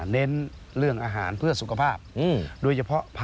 เน้นเรื่องอาหารเพื่อสุขภาพ